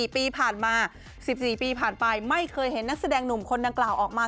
๔ปีผ่านมา๑๔ปีผ่านไปไม่เคยเห็นนักแสดงหนุ่มคนดังกล่าวออกมา